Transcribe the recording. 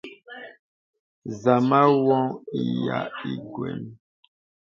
Zàmā wōŋ ìya ìguæm.